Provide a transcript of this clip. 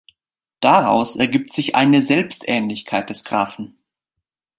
Daraus ergibt sich eine Selbstähnlichkeit des Graphen.